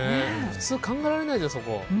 普通考えられないじゃん、そこ。